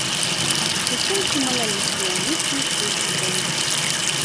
Тычынкі малалікія, ніткі іх вельмі тонкія.